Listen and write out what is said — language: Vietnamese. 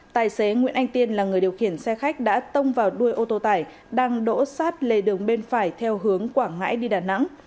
tài xế nguyễn anh tiên là người điều khiển xe khách đã tông vào đuôi ô tô tải đang đỗ sát lề đường bên phải theo hướng quảng ngãi đi đà nẵng